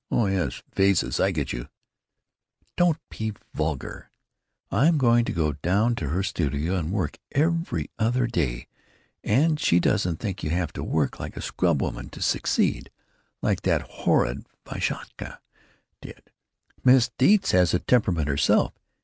Oh yes, vases. I get you." "(Don't be vulgar.)——I'm going to go down to her studio and work every other day, and she doesn't think you have to work like a scrubwoman to succeed, like that horrid Vashkowska did. Miss Deitz has a temperament herself.